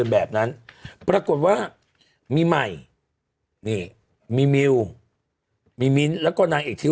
แบบนั้นปรากฏว่ามีใหม่นี่มีมิวมีมิ้นท์แล้วก็นางเอกทิว